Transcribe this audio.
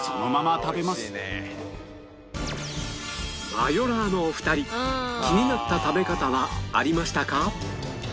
マヨラーのお二人気になった食べ方はありましたか？